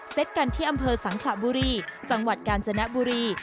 กันที่อำเภอสังขระบุรีจังหวัดกาญจนบุรี